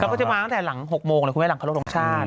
ก็จะมาตั้งแต่หลัง๖โมงเลยคุณแม่หลังเคารพทรงชาติ